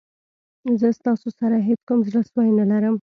زه ستاسو سره هېڅ کوم زړه سوی نه لرم.